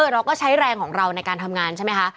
เราก็ใช้แรงของเราในการทำงานใช่ไหมคะ